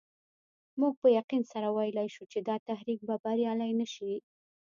موږ په یقین سره ویلای شو چې دا تحریک به بریالی نه شي.